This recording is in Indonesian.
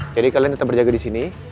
kalian tetap berjaga di sini